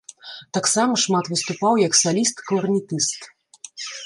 Таксама шмат выступаў як саліст-кларнетыст.